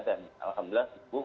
dan alhamdulillah sembuh